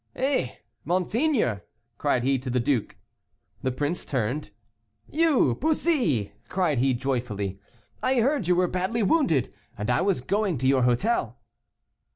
"Eh! monseigneur," cried he to the duke. The prince turned. "You, Bussy!" cried he joyfully, "I heard you were badly wounded, and I was going to your hotel."